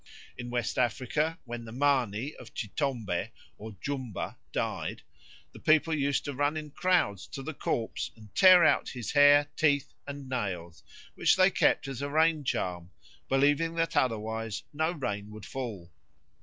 In West Africa, when the Mani of Chitombe or Jumba died, the people used to run in crowds to the corpse and tear out his hair, teeth, and nails, which they kept as a rain charm, believing that otherwise no rain would fall.